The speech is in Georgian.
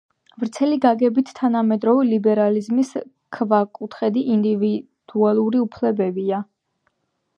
ვრცელი გაგებით თანამედროვე ლიბერალიზმის ქვაკუთხედი ინდივიდუალური უფლებებია.